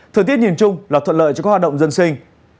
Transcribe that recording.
thời tiết nhìn chung là thuận lợi cho các hoạt động dân sinh